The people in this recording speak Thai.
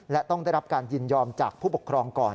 และต้องได้รับการยินยอมจากผู้ปกครองก่อน